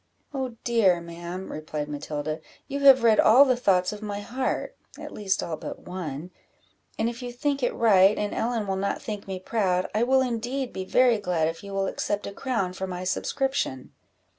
"Oh dear, ma'am," replied Matilda, "you have read all the thoughts of my heart, (at least all but one,) and if you think it right, and Ellen will not think me proud, I will indeed be very glad if you will accept a crown for my subscription."